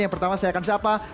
yang pertama saya akan siapa